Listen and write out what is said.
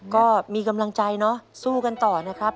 ก็มีกำลังใจเนาะสู้กันต่อนะครับ